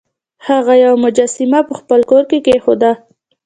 هغه یوه مجسمه په خپل کور کې کیښوده.